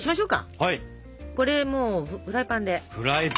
これもうフライパンで。